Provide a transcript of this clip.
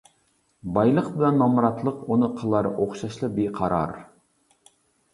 بايلىق بىلەن نامراتلىق ئۇنى قىلار ئوخشاشلا بىقارار.